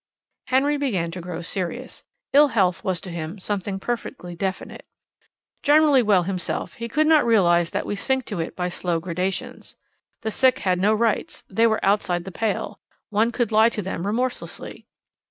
Henry began to grow serious. Ill health was to him something perfectly definite. Generally well himself, he could not realize that we sink to it by slow gradations. The sick had no rights; they were outside the pale; one could lie to them remorselessly.